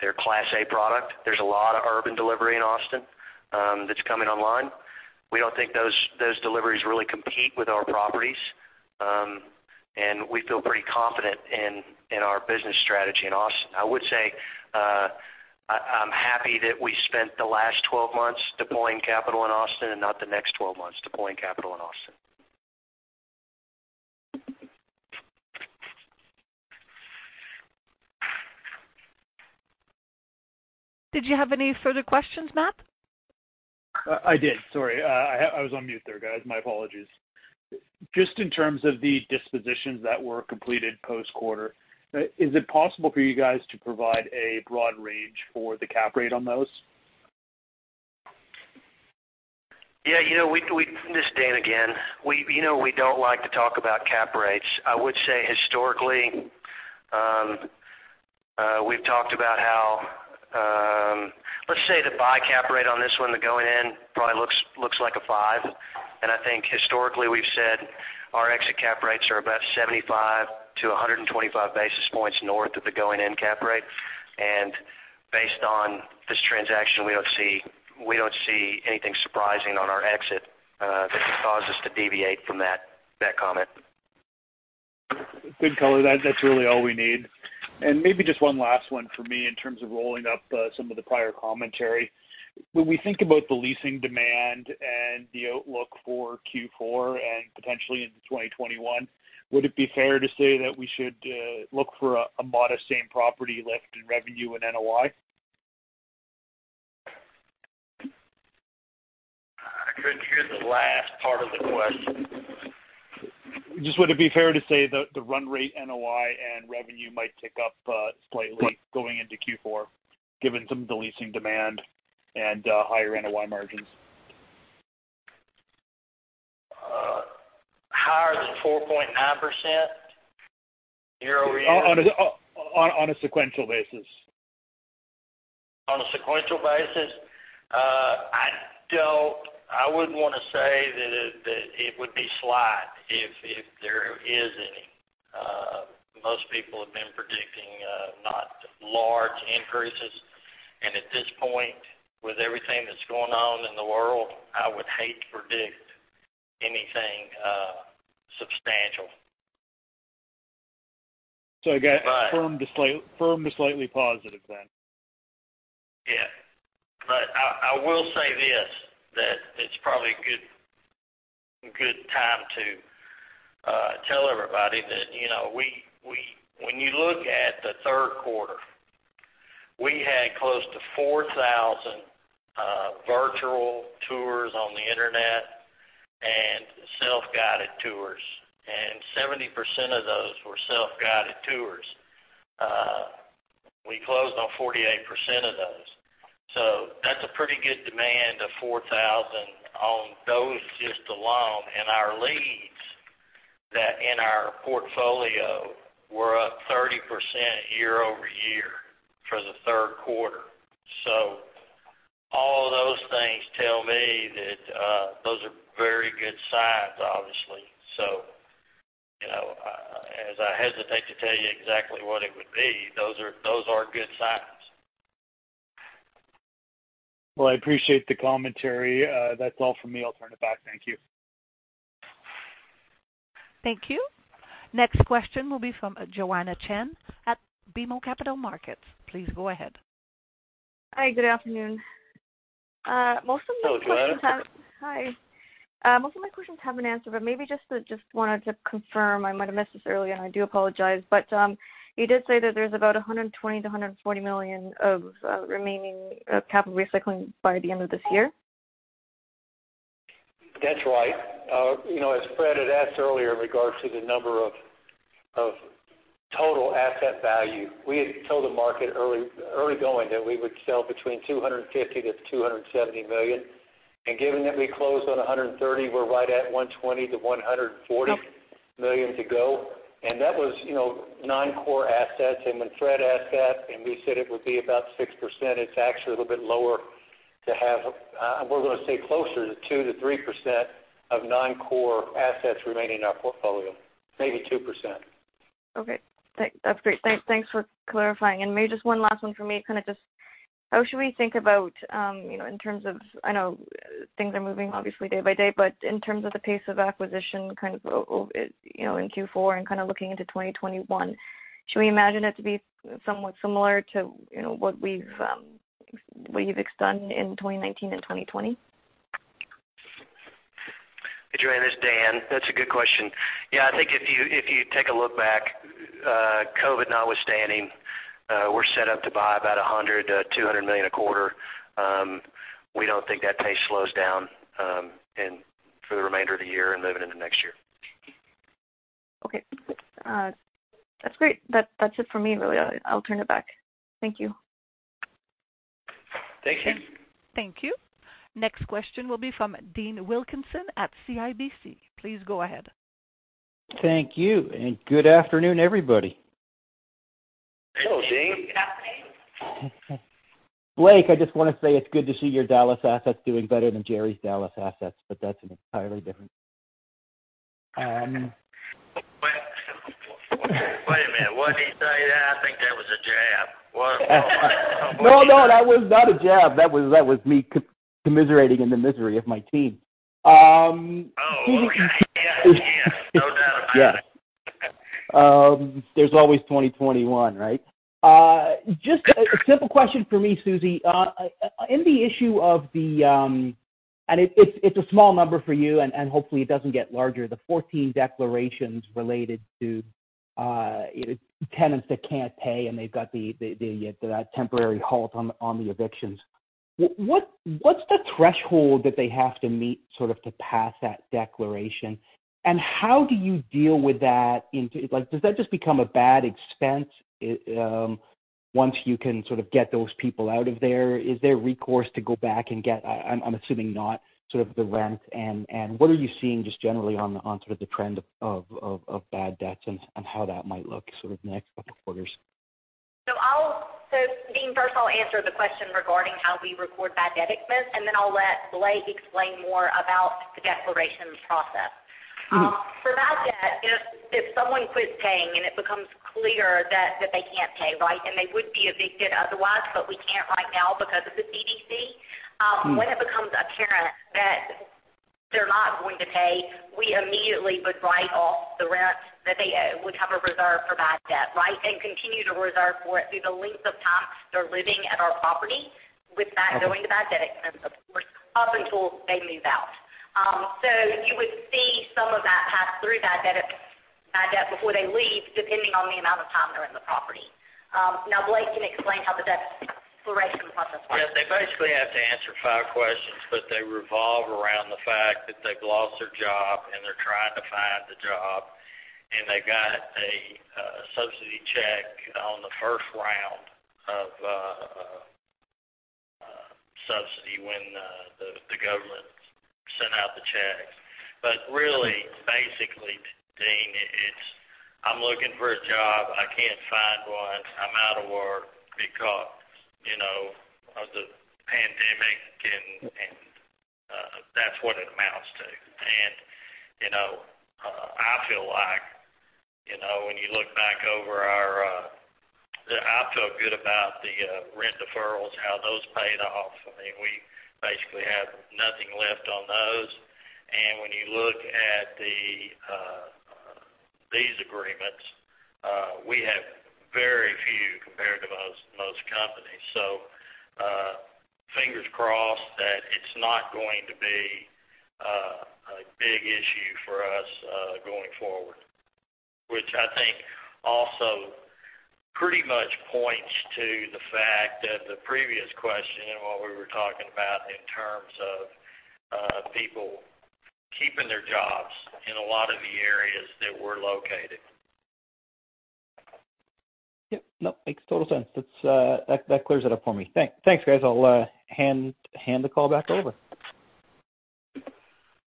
[SPEAKER 7] They're Class A product. There's a lot of urban delivery in Austin that's coming online. We don't think those deliveries really compete with our properties. We feel pretty confident in our business strategy in Austin. I would say, I'm happy that we spent the last 12 months deploying capital in Austin and not the next 12 months deploying capital in Austin.
[SPEAKER 3] Did you have any further questions, Matt?
[SPEAKER 9] I did. Sorry, I was on mute there, guys. My apologies. Just in terms of the dispositions that were completed post-quarter, is it possible for you guys to provide a broad range for the cap rate on those?
[SPEAKER 7] Yeah. This is Dan again, we don't like to talk about cap rates. I would say historically, we've talked about how Let's say the buy cap rate on this one, the going in probably looks like a five, and I think historically we've said our exit cap rates are about 75 to 125 basis points north of the going-in cap rate. Based on this transaction, we don't see anything surprising on our exit that would cause us to deviate from that comment.
[SPEAKER 9] Good color. That's really all we need. Maybe just one last one for me in terms of rolling up some of the prior commentary. When we think about the leasing demand and the outlook for Q4 and potentially into 2021, would it be fair to say that we should look for a modest same property lift in revenue and NOI?
[SPEAKER 5] I couldn't hear the last part of the question.
[SPEAKER 9] Just would it be fair to say that the run rate NOI and revenue might tick up slightly going into Q4, given some of the leasing demand and higher NOI margins?
[SPEAKER 5] Higher than 4.9% year-over-year?
[SPEAKER 9] On a sequential basis.
[SPEAKER 5] On a sequential basis? I wouldn't want to say that it would be slight if there is any. Most people have been predicting not large increases, at this point, with everything that's going on in the world, I would hate to predict anything substantial.
[SPEAKER 9] Again, firm to slightly positive then.
[SPEAKER 5] Yeah. I will say this, that it's probably a good time to tell everybody that when you look at the third quarter, we had close to 4,000 virtual tours on the internet and self-guided tours, and 70% of those were self-guided tours. We closed on 48% of those. That's a pretty good demand of 4,000 on those just alone. Our leads that in our portfolio were up 30% year-over-year for the third quarter. All those things tell me that those are very good signs, obviously. As I hesitate to tell you exactly what it would be, those are good signs.
[SPEAKER 9] Well, I appreciate the commentary. That's all from me. I'll turn it back. Thank you.
[SPEAKER 1] Thank you. Next question will be from Joanne Chen at BMO Capital Markets. Please go ahead.
[SPEAKER 10] Hi, good afternoon.
[SPEAKER 5] Hello, Joanne.
[SPEAKER 10] Hi. Most of my questions have been answered, but maybe just wanted to confirm, I might have missed this earlier, and I do apologize, but you did say that there's about $120 million-$140 million of remaining capital recycling by the end of this year?
[SPEAKER 2] That's right. As Fred had asked earlier in regards to the number of total asset value, we had told the market early going that we would sell between $250 million-$270 million. Given that we closed on $130 million, we're right at $120 million-$140 million to go. That was non-core assets. When Fred asked that, and we said it would be about 6%, it's actually a little bit lower. We're going to say closer to 2%-3% of non-core assets remaining in our portfolio, maybe 2%.
[SPEAKER 10] Okay. That's great. Thanks for clarifying. Maybe just one last one for me, how should we think about, in terms of, I know things are moving obviously day by day, but in terms of the pace of acquisition in Q4 and looking into 2021, should we imagine it to be somewhat similar to what you've done in 2019 and 2020?
[SPEAKER 7] Hey Joanne, this is Dan. That's a good question. Yeah, I think if you take a look back, COVID notwithstanding. We're set up to buy about $100 million-$200 million a quarter. We don't think that pace slows down for the remainder of the year and moving into next year.
[SPEAKER 10] Okay. That's great. That's it for me, really. I'll turn it back. Thank you.
[SPEAKER 2] Thank you.
[SPEAKER 1] Thank you. Next question will be from Dean Wilkinson at CIBC. Please go ahead.
[SPEAKER 11] Thank you, good afternoon, everybody.
[SPEAKER 2] Hello, Dean.
[SPEAKER 3] Good afternoon.
[SPEAKER 11] Blake, I just want to say it's good to see your Dallas assets doing better than Jerry's Dallas assets, but that's an entirely different.
[SPEAKER 5] Wait a minute. What did he say? I think that was a jab.
[SPEAKER 11] No, that was not a jab. That was me commiserating in the misery of my team.
[SPEAKER 5] Oh, okay. Yeah. No doubt about it.
[SPEAKER 11] Yeah. There's always 2021, right? Just a simple question for me, Susie. On the issue of the and it's a small number for you, and hopefully it doesn't get larger, the 14 declarations related to tenants that can't pay, and they've got the temporary halt on the evictions. What's the threshold that they have to meet to pass that declaration? How do you deal with that into? Does that just become a bad expense, once you can get those people out of there? Is there recourse to go back and get, I'm assuming not, the rent? What are you seeing just generally on the trend of bad debts and how that might look sort of next couple quarters?
[SPEAKER 3] Dean, first I'll answer the question regarding how we record bad debt expense, and then I'll let Blake explain more about the declarations process. For bad debt, if someone quits paying and it becomes clear that they can't pay, and they would be evicted otherwise, but we can't right now because of the CDC. When it becomes apparent that they're not going to pay, we immediately would write off the rent, that they would have a reserve for bad debt, and continue to reserve for it through the length of time they're living at our property with that going to bad debt expense, of course, up until they move out. You would see some of that pass through bad debt before they leave, depending on the amount of time they're in the property. Blake can explain how the declaration process works.
[SPEAKER 5] Yes, they basically have to answer five questions, but they revolve around the fact that they've lost their job and they're trying to find a job, and they got a subsidy check on the first round of subsidy when the government sent out the checks. Really, basically, Dean, it's I'm looking for a job, I can't find one, I'm out of work because of the pandemic, and that's what it amounts to. I feel like, when you look back over our I feel good about the rent deferrals, how those paid off. We basically have nothing left on those. When you look at these agreements, we have very few compared to most companies. Fingers crossed that it's not going to be a big issue for us going forward, which I think also pretty much points to the fact that the previous question and what we were talking about in terms of people keeping their jobs in a lot of the areas that we're located.
[SPEAKER 11] Yep. No, makes total sense. That clears it up for me. Thanks, guys. I'll hand the call back over.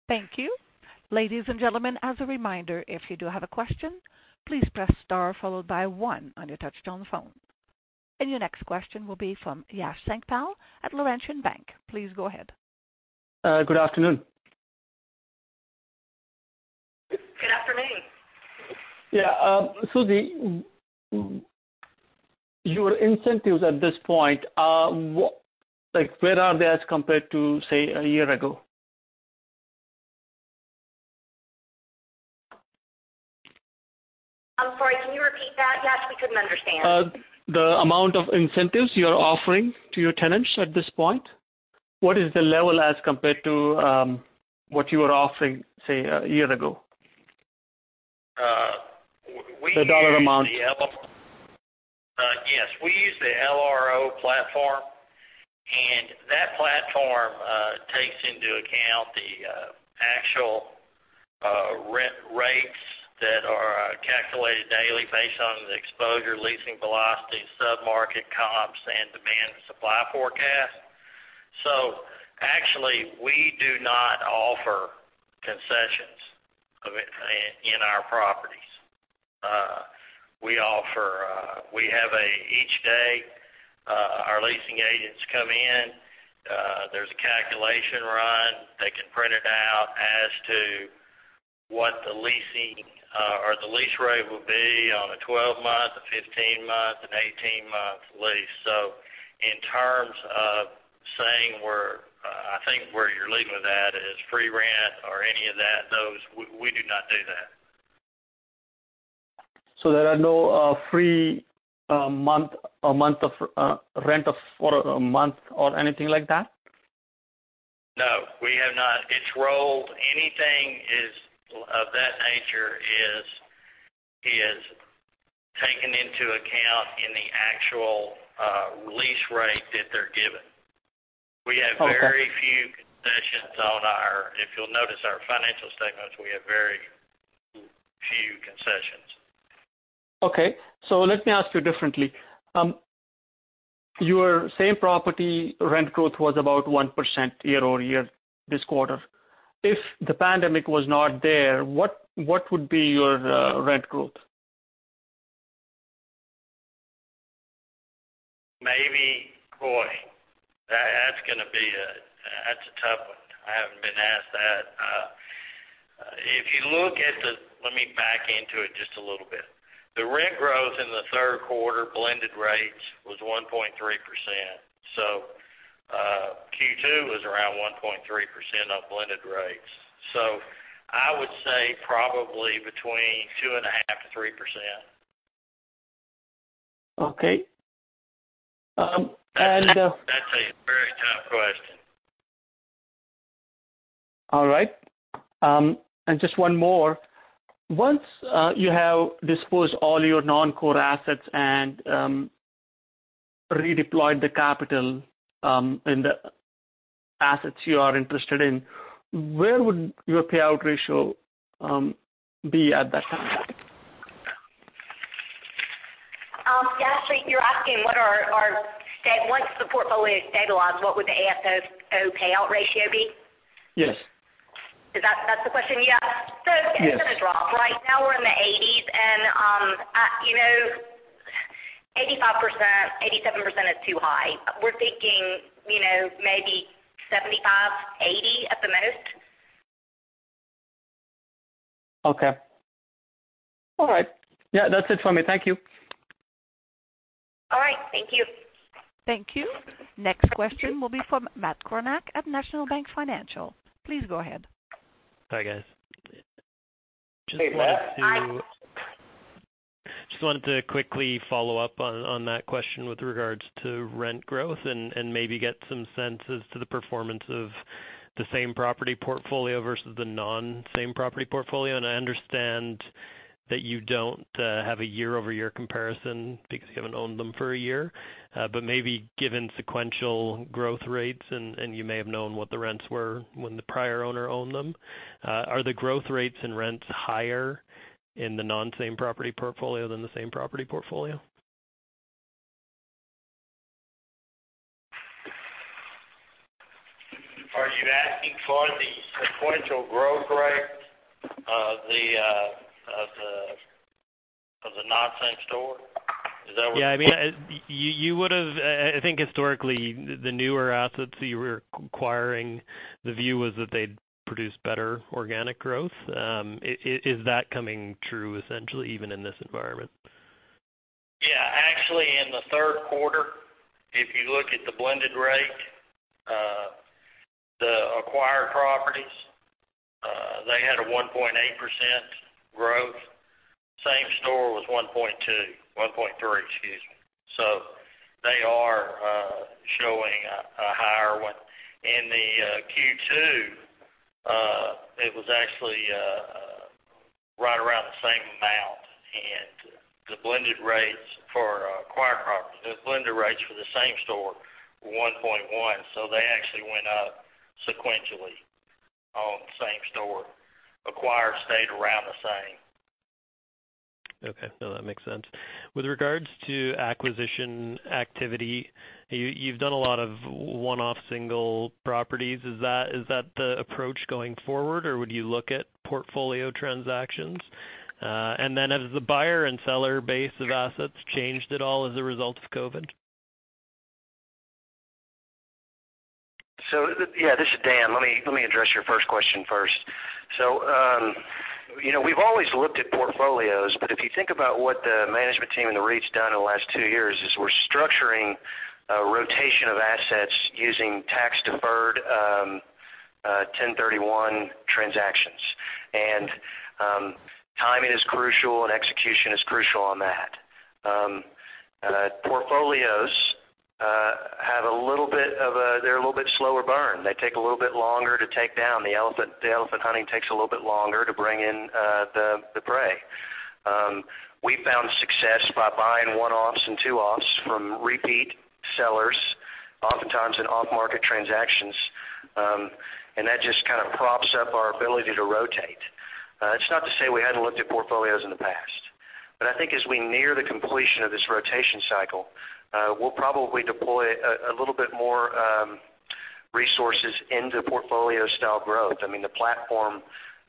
[SPEAKER 1] Thank you. Ladies and gentlemen, as a reminder, if you do have a question, please press star followed by one on your touchtone phone. Your next question will be from Yash Sankpal at Laurentian Bank. Please go ahead.
[SPEAKER 12] Good afternoon.
[SPEAKER 3] Good afternoon.
[SPEAKER 12] Yeah. Susie, your incentives at this point, where are they as compared to, say, a year ago?
[SPEAKER 3] I'm sorry, can you repeat that, Yash? We couldn't understand.
[SPEAKER 12] The amount of incentives you're offering to your tenants at this point, what is the level as compared to what you were offering, say, a year ago? The dollar amount.
[SPEAKER 5] Yes. We use the LRO platform, and that platform takes into account the actual rent rates that are calculated daily based on the exposure, leasing velocity, sub-market comps, and demand and supply forecast. Actually, we do not offer concessions in our properties. Each day, our leasing agents come in, there's a calculation run. They can print it out as to what the lease rate will be on a 12-month, a 15-month, an 18-month lease. In terms of saying where, I think where you're leading with that is free rent or any of that, those, we do not do that.
[SPEAKER 12] There are no free month or rent for a month or anything like that?
[SPEAKER 5] No, we have not. Anything of that nature is taken into account in the actual lease rate that they're given.
[SPEAKER 12] Okay.
[SPEAKER 5] If you'll notice our financial statements, we have very few concessions.
[SPEAKER 12] Okay. Let me ask you differently. Your same property rent growth was about 1% year-over-year this quarter. If the pandemic was not there, what would be your rent growth?
[SPEAKER 5] Boy, that's a tough one. I haven't been asked that. Let me back into it just a little bit. The rent growth in the third quarter, blended rates was 1.3%. Q2 was around 1.3% on blended rates. I would say probably between 2.5% to 3%.
[SPEAKER 12] Okay.
[SPEAKER 5] That's a very tough question.
[SPEAKER 12] All right. Just one more. Once you have disposed all your non-core assets and redeployed the capital in the assets you are interested in, where would your payout ratio be at that time?
[SPEAKER 3] Yash, you're asking once the portfolio is stabilized, what would the AFFO payout ratio be?
[SPEAKER 12] Yes.
[SPEAKER 3] Is that the question you asked?
[SPEAKER 12] Yes.
[SPEAKER 3] This is Rob. Right now we're in the 80s, and 85%, 87% is too high. We're thinking, maybe 75%-80% at the most.
[SPEAKER 12] Okay. All right. Yeah, that's it for me. Thank you.
[SPEAKER 3] All right. Thank you.
[SPEAKER 1] Thank you. Next question will be from Matt Kornack at National Bank Financial. Please go ahead.
[SPEAKER 13] Hi, guys.
[SPEAKER 2] Hey, Matt.
[SPEAKER 3] Hi.
[SPEAKER 13] Just wanted to quickly follow up on that question with regards to rent growth and maybe get some sense as to the performance of the same property portfolio versus the non-same property portfolio. I understand that you don't have a year-over-year comparison because you haven't owned them for a year. Maybe given sequential growth rates, and you may have known what the rents were when the prior owner owned them. Are the growth rates and rents higher in the non-same property portfolio than the same property portfolio?
[SPEAKER 5] Are you asking for the sequential growth rate of the non-same store?
[SPEAKER 13] Yeah. I think historically, the newer assets that you were acquiring, the view was that they'd produce better organic growth. Is that coming true essentially even in this environment?
[SPEAKER 5] Yeah. Actually, in the third quarter, if you look at the blended rate, the acquired properties, they had a 1.8% growth. Same store was 1.2%. 1.3%, excuse me. They are showing a higher one. In the Q2, it was actually right around the same amount, the blended rates for the same store were 1.1%, they actually went up sequentially on same store. Acquired stayed around the same.
[SPEAKER 13] Okay. No, that makes sense. With regards to acquisition activity, you've done a lot of one-off single properties. Is that the approach going forward, or would you look at portfolio transactions? Has the buyer and seller base of assets changed at all as a result of COVID?
[SPEAKER 7] Yeah, this is Dan. Let me address your first question first. We've always looked at portfolios, but if you think about what the management team and the REIT's done in the last two years is we're structuring a rotation of assets using tax-deferred 1031 transactions. Timing is crucial, and execution is crucial on that. Portfolios, they're a little bit slower burn. They take a little bit longer to take down. The elephant hunting takes a little bit longer to bring in the prey. We've found success by buying one-offs and two-offs from repeat sellers, oftentimes in off-market transactions. That just kind of props up our ability to rotate. It's not to say we hadn't looked at portfolios in the past. I think as we near the completion of this rotation cycle, we'll probably deploy a little bit more resources into portfolio style growth. The platform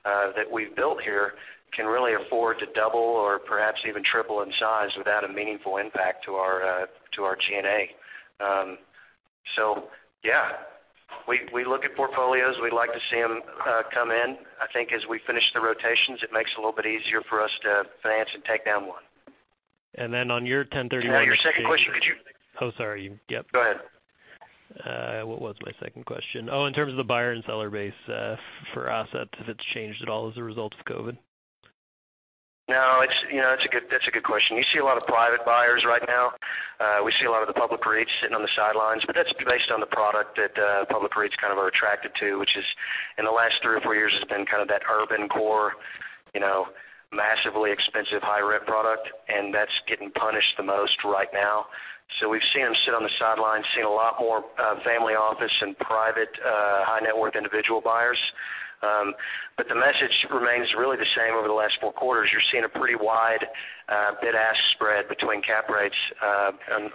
[SPEAKER 7] that we've built here can really afford to double or perhaps even triple in size without a meaningful impact to our G&A. Yeah, we look at portfolios. We'd like to see them come in. I think as we finish the rotations, it makes it a little bit easier for us to finance and take down one.
[SPEAKER 13] On your 1031 exchange.
[SPEAKER 7] Now, your second question.
[SPEAKER 13] Oh, sorry. Yep.
[SPEAKER 7] Go ahead.
[SPEAKER 13] What was my second question? Oh, in terms of the buyer and seller base for assets, if it's changed at all as a result of COVID.
[SPEAKER 7] No, that's a good question. You see a lot of private buyers right now. We see a lot of the public REITs sitting on the sidelines, but that's based on the product that public REITs are attracted to, which is, in the last three or four years, has been that urban core, massively expensive, high rent product, and that's getting punished the most right now. We've seen them sit on the sidelines, seen a lot more family office and private high-net-worth individual buyers. The message remains really the same over the last four quarters. You're seeing a pretty wide bid-ask spread between cap rates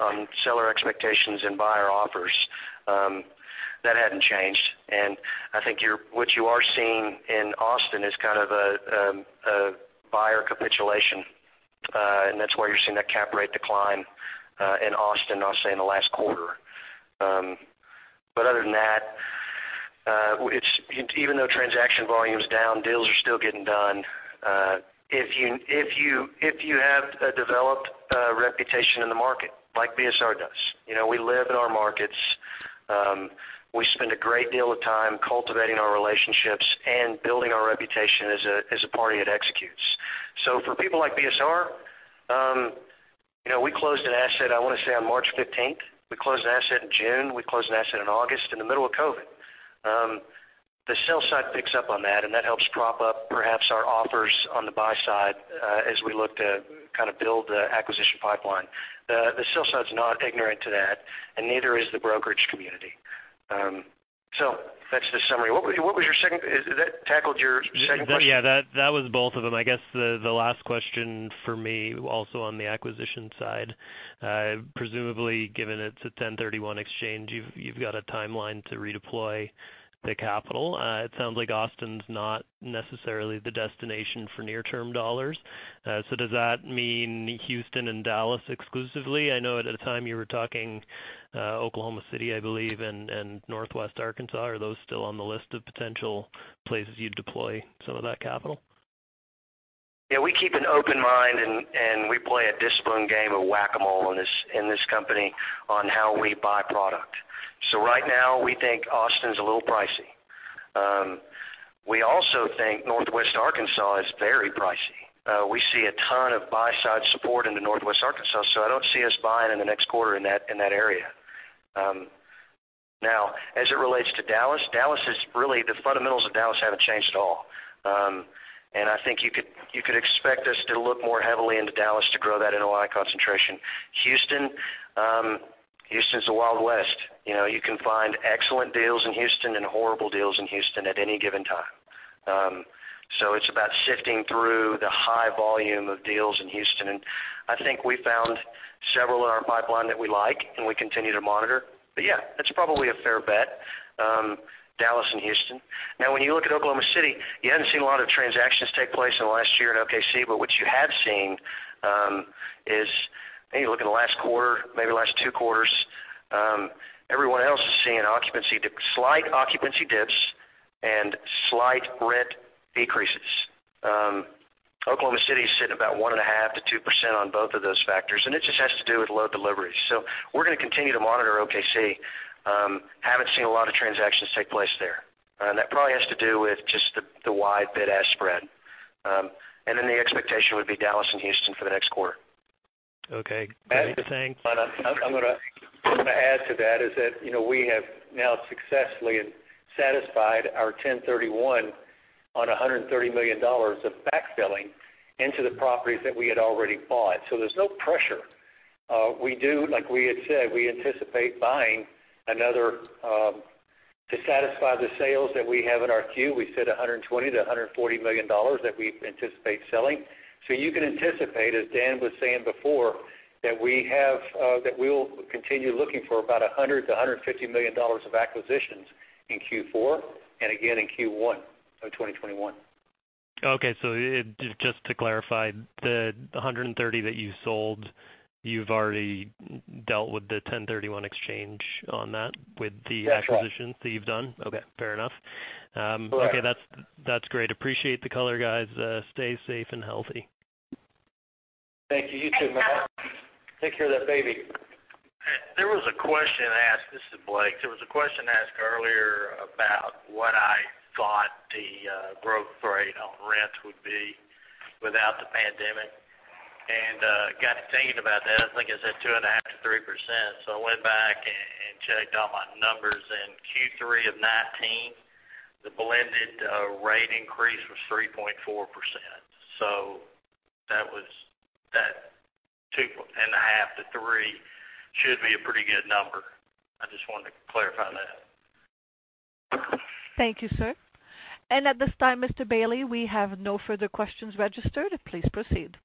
[SPEAKER 7] on seller expectations and buyer offers. That hadn't changed. I think what you are seeing in Austin is kind of a buyer capitulation. That's why you're seeing that cap rate decline in Austin, I'll say, in the last quarter. Other than that, even though transaction volume is down, deals are still getting done. If you have a developed reputation in the market, like BSR does, we live in our markets. We spend a great deal of time cultivating our relationships and building our reputation as a party that executes. For people like BSR, we closed an asset, I want to say, on March 15th. We closed an asset in June. We closed an asset in August, in the middle of COVID-19. The sell side picks up on that, and that helps prop up perhaps our offers on the buy side, as we look to build the acquisition pipeline. The sell side's not ignorant to that, and neither is the brokerage community. That's the summary. That tackled your second question?
[SPEAKER 13] That was both of them. I guess the last question for me, also on the acquisition side, presumably given it's a 1031 exchange, you've got a timeline to redeploy the capital. It sounds like Austin's not necessarily the destination for near-term dollars. Does that mean Houston and Dallas exclusively? I know at the time you were talking Oklahoma City, I believe, and Northwest Arkansas. Are those still on the list of potential places you'd deploy some of that capital?
[SPEAKER 7] Yeah, we keep an open mind, and we play a discipline game of Whac-A-Mole in this company on how we buy product. Right now, we think Austin's a little pricey. We also think Northwest Arkansas is very pricey. We see a ton of buy-side support into Northwest Arkansas, so I don't see us buying in the next quarter in that area. As it relates to Dallas, really, the fundamentals of Dallas haven't changed at all. I think you could expect us to look more heavily into Dallas to grow that NOI concentration. Houston's the Wild West. You can find excellent deals in Houston and horrible deals in Houston at any given time. It's about sifting through the high volume of deals in Houston, and I think we found several in our pipeline that we like, and we continue to monitor. Yeah, that's probably a fair bet. Dallas and Houston. When you look at Oklahoma City, you haven't seen a lot of transactions take place in the last year in OKC, but what you have seen is, maybe look in the last quarter, maybe the last two quarters, everyone else is seeing slight occupancy dips and slight rent decreases. Oklahoma City is sitting about 1.5%-2% on both of those factors, and it just has to do with low deliveries. We're going to continue to monitor OKC. Haven't seen a lot of transactions take place there. That probably has to do with just the wide bid-ask spread. The expectation would be Dallas and Houston for the next quarter.
[SPEAKER 13] Okay.
[SPEAKER 2] I'm going to add to that, is that we have now successfully satisfied our 1031 on $130 million of backfilling into the properties that we had already bought. There's no pressure. Like we had said, we anticipate buying to satisfy the sales that we have in our queue, we said $120 million-$140 million that we anticipate selling. You can anticipate, as Dan was saying before, that we will continue looking for about $100 million-$150 million of acquisitions in Q4, and again in Q1 of 2021.
[SPEAKER 13] Just to clarify, the 130 that you sold, you've already dealt with the 1031 exchange on that?
[SPEAKER 2] That's right.
[SPEAKER 13] acquisitions that you've done? Okay. Fair enough.
[SPEAKER 2] Correct.
[SPEAKER 13] Okay. That's great. Appreciate the color, guys. Stay safe and healthy.
[SPEAKER 2] Thank you. You too, Matt.
[SPEAKER 3] Thanks, Matt.
[SPEAKER 2] Take care of that baby.
[SPEAKER 5] This is Blake. There was a question asked earlier about what I thought the growth rate on rents would be without the pandemic, and got to thinking about that. I think I said 2.5%-3%. I went back and checked all my numbers. In Q3 of 2019, the blended rate increase was 3.4%. That 2.5%-3% should be a pretty good number. I just wanted to clarify that.
[SPEAKER 1] Thank you, sir. At this time, Mr. Bailey, we have no further questions registered. Please proceed.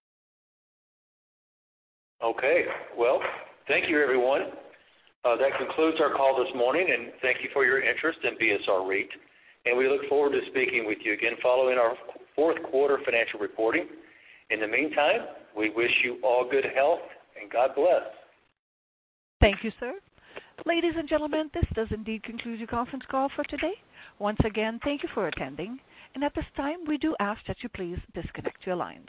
[SPEAKER 2] Okay. Well, thank you everyone. That concludes our call this morning, and thank you for your interest in BSR REIT. We look forward to speaking with you again following our fourth quarter financial reporting. In the meantime, we wish you all good health, and God bless.
[SPEAKER 1] Thank you, sir. Ladies and gentlemen, this does indeed conclude your conference call for today. Once again, thank you for attending. At this time, we do ask that you please disconnect your lines.